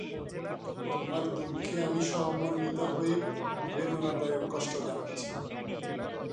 এটি চমৎকার মিহরাবের জন্যও পরিচিত।